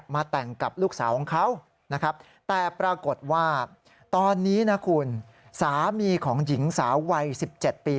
มาแต่งกับลูกสาวของเขานะครับแต่ปรากฏว่าตอนนี้นะคุณสามีของหญิงสาววัย๑๗ปี